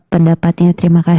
mohon pendapatnya terima kasih